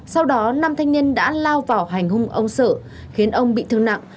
sau đó năm thanh niên đã lao vào hành hung ông sợ khiến ông bị thương nặng